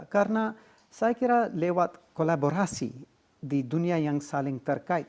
karena saya kira lewat kolaborasi di dunia yang saling terkait